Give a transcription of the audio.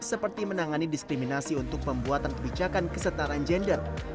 seperti menangani diskriminasi untuk pembuatan kebijakan kesetaraan gender